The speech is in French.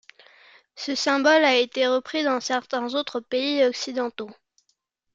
Ce symbole a été repris dans certains autres pays occidentaux.